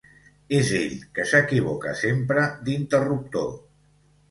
És ell que s'equivoca sempre d'interruptor.